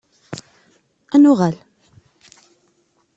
Ad nuɣal!